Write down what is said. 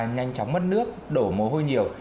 nhanh chóng mất nước đổ mồ hôi nhiều